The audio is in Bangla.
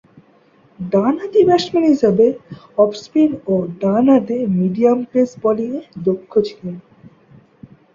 ডানহাতি ব্যাটসম্যান হিসেবে অফ স্পিন ও ডানহাতে মিডিয়াম পেস বোলিংয়ে দক্ষ ছিলেন।